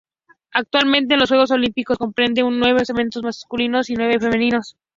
Actualmente, en los Juegos Olímpicos, comprende nueve eventos masculinos y nueve femeninos.